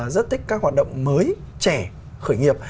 rất thích các hoạt động mới trẻ khởi nghiệp